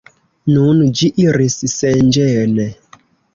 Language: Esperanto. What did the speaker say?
Nun ĝi iris senĝene.